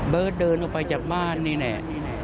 เบิร์ตเดินออกไปจากบ้านนี่แน่